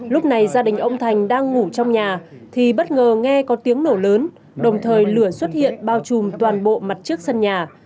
lúc này gia đình ông thành đang ngủ trong nhà thì bất ngờ nghe có tiếng nổ lớn đồng thời lửa xuất hiện bao trùm toàn bộ mặt trước sân nhà